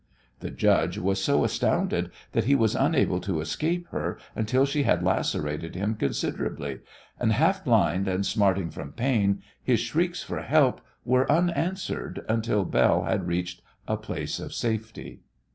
The judge was so astounded that he was unable to escape her until she had lacerated him considerably, and, half blind and smarting from pain, his shrieks for help were unanswered until Belle had reached a place of safety.